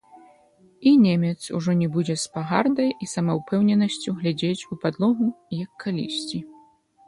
І немец ужо не будзе з пагардай і самаўпэўненасцю глядзець у падлогу, як калісьці.